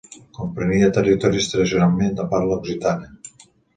Comprenia territoris tradicionalment de parla occitana.